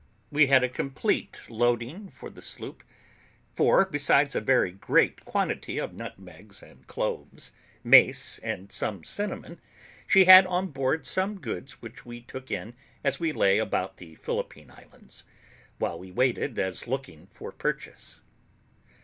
We had a complete loading for the sloop; for, besides a very great quantity of nutmegs and cloves, mace, and some cinnamon, she had on board some goods which we took in as we lay about the Philippine Islands, while we waited as looking for purchase.